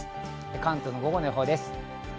関東の午後の予報です。